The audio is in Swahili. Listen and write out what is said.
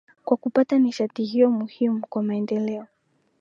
kwa kupata nishati hiyo muhimu kwa maendeleo